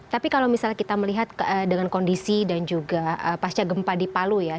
tapi kalau misalnya kita melihat dengan kondisi dan juga pasca gempa di palu ya